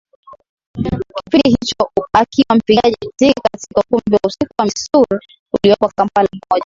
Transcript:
kipindi hicho akiwa mpigaji mziki katika ukumbi wa usiku wa Missouri uliopo Kampala Moja